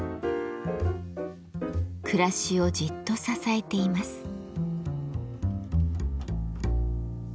暮らしをじっと支えています。